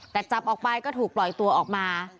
แต่จับออกไปก็ถูกปล่อยตัวออกมา